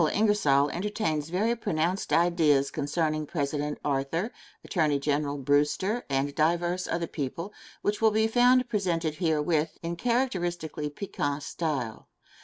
Ingersoll entertains very pronounced ideas concerning President Arthur, Attorney General Brewster and divers other people, which will be found presented herewith in characteristically piquant style.